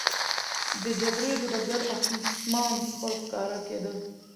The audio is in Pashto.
د جګړې د ډګر آسمان خړ ښکاره کېده.